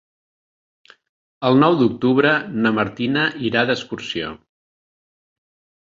El nou d'octubre na Martina irà d'excursió.